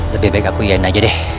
lebih baik aku iyain aja deh